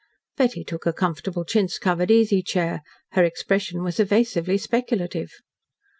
Betty took a comfortable chintz covered, easy chair. Her expression was evasively speculative.